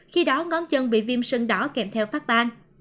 khi đó ngón chân bị viêm sơn đỏ kèm theo phát ban